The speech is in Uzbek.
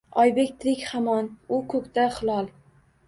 Oybek tirik hamon, u ko’kda hilol